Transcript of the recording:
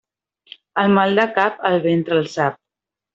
El mal de cap, el ventre el sap.